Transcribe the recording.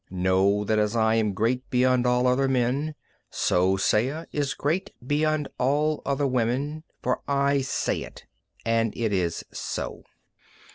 Know that as I am great beyond all other men, so Saya is great beyond all other women, for I say it, and it is so."